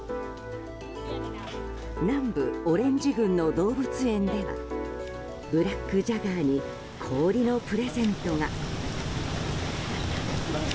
南部オレンジ郡の動物園ではブラックジャガーに氷のプレゼントが。